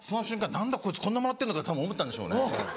「何だこいつこんなもらってんのか」ってたぶん思ったんでしょうね。